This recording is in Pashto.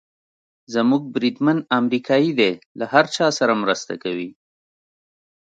زموږ بریدمن امریکایي دی، له هر چا سره مرسته کوي.